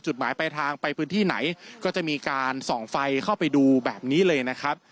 จุดหมายไปทางไปพื้นที่ไหนก็จะมีการส่องไฟเข้าไปดูแบบนี้เลยนะครับ